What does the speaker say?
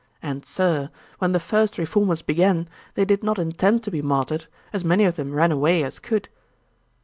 And, Sir, when the first reformers began, they did not intend to be martyred: as many of them ran away as could.'